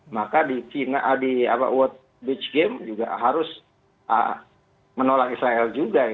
maka di world beach game juga harus menolak israel juga